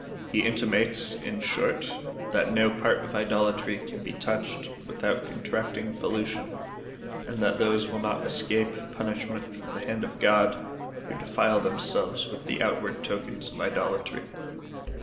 He inti mates, in short, that no part of idolatry^ can be touched without contracting pollution, and that those will not escape punishment from the hand of God, who defile themselves with the outward tokens of idolatry.